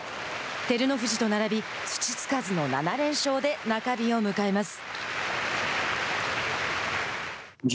照ノ富士と並び土つかずの７連勝で中日を迎えます。